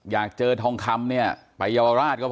อยากเจอทองคำเนี่ยไปเยาวราชก็